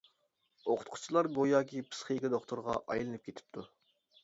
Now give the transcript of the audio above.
ئوقۇتقۇچىلار گوياكى پىسخىكا دوختۇرىغا ئايلىنىپ كېتىپتۇ.